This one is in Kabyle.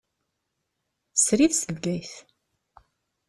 Srid seg Bgayet.